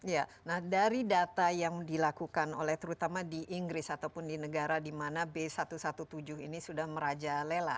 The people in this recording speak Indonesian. ya nah dari data yang dilakukan oleh terutama di inggris ataupun di negara di mana b satu ratus tujuh belas ini sudah merajalela